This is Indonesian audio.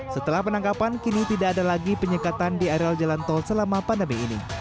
setelah penangkapan kini tidak ada lagi penyekatan di areal jalan tol selama pandemi ini